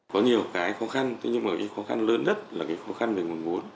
có nhiều cái khó khăn thế nhưng mà cái khó khăn lớn nhất là cái khó khăn về nguồn vốn